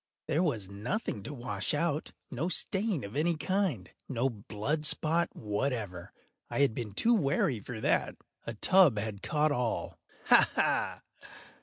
There was nothing to wash out—no stain of any kind—no blood spot whatever. I had been too wary for that. A tub had caught all—ha! ha!